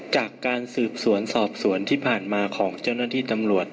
จากการสืบสวนสอบสวนที่ผ่านมาของเจ้าหน้าที่ตำรวจ